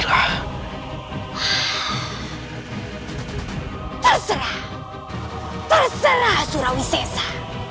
wah terserah terserah surawi sesa